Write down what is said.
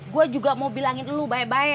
gue juga mau bilangin dulu baa bae